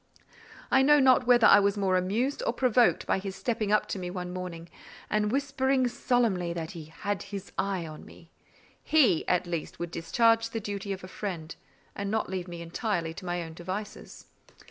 I know not whether I was more amused or provoked, by his stepping up to me one morning and whispering solemnly that he "had his eye on me: he at least would discharge the duty of a friend, and not leave me entirely to my own devices.